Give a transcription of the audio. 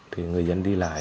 thì người dân đi lại